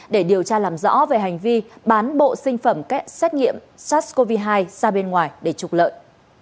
để điều tra làm rõ về hành vi bán bộ sinh phẩm xét nghiệm sars cov hai ra bên ngoài để trục lợi